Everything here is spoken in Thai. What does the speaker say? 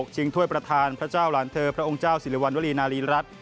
ถ้วยประธานพระเจ้าหลานเธอพระองค์เจ้าสิริวัณวรีนารีรัฐ